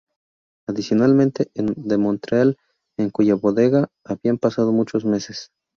Adicionalmente, del Montreal, en cuya bodega habían pasado muchos meses.